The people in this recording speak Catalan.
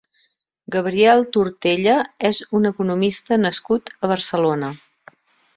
Gabriel Tortella és un economista nascut a Barcelona.